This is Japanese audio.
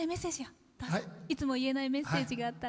いつも言えないメッセージがあったら。